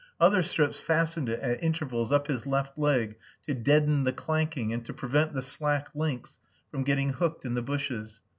Other strips fastened it at intervals up his left leg to deaden the clanking and to prevent the slack links from getting hooked in the bushes.